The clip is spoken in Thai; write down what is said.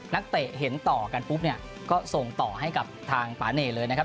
เตะเห็นต่อกันปุ๊บเนี่ยก็ส่งต่อให้กับทางปาเน่เลยนะครับ